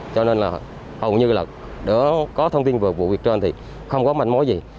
cho nên là hầu như là có thông tin về vụ việc trên thì không có mạnh mối gì